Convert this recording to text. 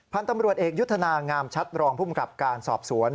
พันธุ์ตำรวจเอกยุทธนางามชัดรองภูมิกับการสอบสวน